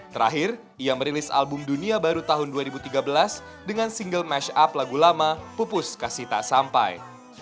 terakhir ia merilis album dunia baru tahun dua ribu tiga belas dengan single masch up lagu lama pupus kasih tak sampai